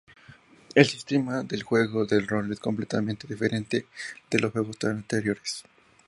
El sistema de juego de rol es completamente diferente de los juegos anteriores.